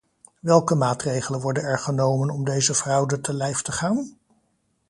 Welke maatregelen worden er genomen om deze fraude te lijf te gaan?